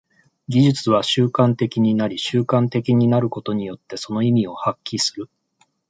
技術は習慣的になり、習慣的になることによってその意味を発揮する。